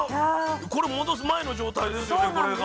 これ戻す前の状態ですよねこれが。